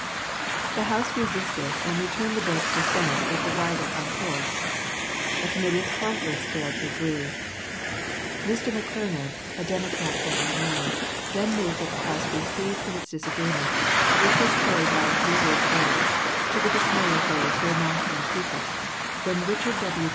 The House resisted, and returned the bill to the Senate with the rider unhorsed. A committee of conference failed to agree. Mr. McClernand, a Democrat from Illinois, then moved that the House recede from its disagreement, which was carried by a few Whig votes, to the dismay of those who were not in the secret, when Richard W.